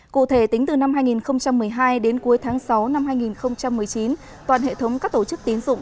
cụ thể tính từ năm hai nghìn một mươi hai đến cuối tháng sáu năm hai nghìn một mươi chín toàn hệ thống các tổ chức tín dụng